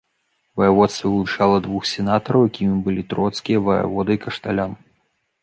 Ваяводства вылучала двух сенатараў, якімі былі троцкія ваявода і кашталян.